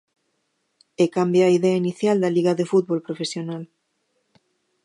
E cambia a idea inicial da Liga de Fútbol Profesional.